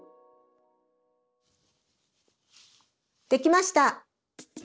できました。